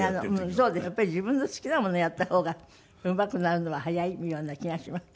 やっぱり自分の好きなものやった方がうまくなるのは早いような気がします。